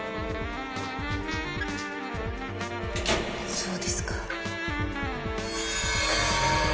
そうですか。